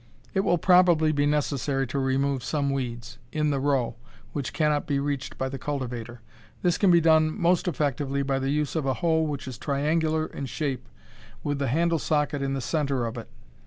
It will probably be necessary to remove some weeds in the row, which cannot be reached by the cultivator. This can be done most effectively by the use of a hoe which is triangular in shape, with the handle socket in the center of it.